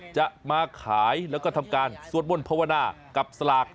จะมาขายแล้วก็ทำการสวดมนต์ภาวนากับสลาก